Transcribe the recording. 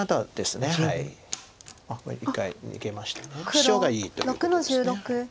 シチョウがいいということです。